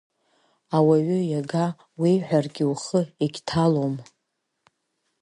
Ауаҩы иага уеиҳәаргьы ухы егьҭалом.